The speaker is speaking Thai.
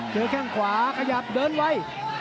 แข้งขวาขยับเดินไว